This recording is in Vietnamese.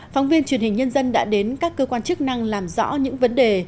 phóng viên truyền hình nhân dân đã đến các cơ quan chức năng làm rõ những vấn đề